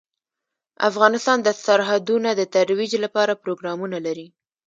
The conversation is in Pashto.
افغانستان د سرحدونه د ترویج لپاره پروګرامونه لري.